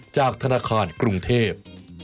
จากธนาคารกรุงเทพ